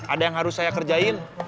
ada yang harus saya kerjain